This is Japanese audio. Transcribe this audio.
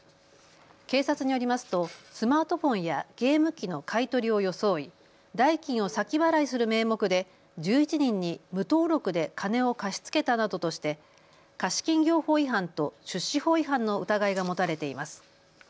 警察によりますとスマートフォンやゲーム機の買い取りを装い代金を先払いする名目で１１人に無登録で金を貸し付けたなどとして貸金業法違反と出資法違反の疑いが持たれています。